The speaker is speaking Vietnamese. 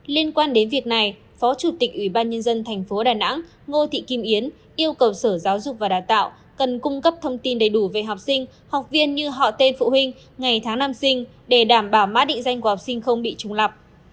liên quan đến việc này phó chủ tịch ủy ban nhân dân thành phố đà nẵng ngô thị kim yến yêu cầu sở giáo dục và đào tạo cần cung cấp thông tin đầy đủ về học sinh học viên như họ tên phụ huynh ngày tháng năm sinh để đảm bảo mã định danh của học sinh không bị trùng lập